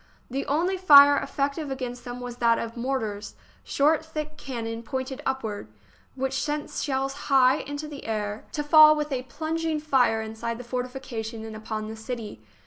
The only fire effective against them was that of mortars — short, thick cannon, pointed upward — which sent shells high into the air to fall with a THE BOOK OF FAMOUS SIEGES plunging fire inside the fortification and upon the city.